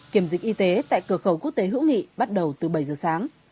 kiểm dịch y tế tại cửa khẩu quốc tế hữu nghị bắt đầu từ bảy giờ sáng